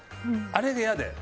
あれが嫌で。